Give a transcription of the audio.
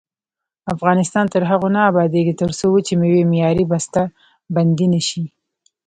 افغانستان تر هغو نه ابادیږي، ترڅو وچې میوې معیاري بسته بندي نشي.